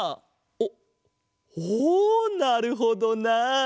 おっおおなるほどなあ！